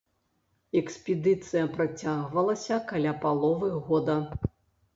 Экспедыцыя працягвалася каля паловы года.